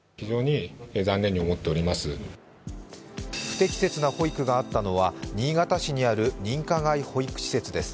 不適切な保育があったのは新潟市にある認可外保育施設です。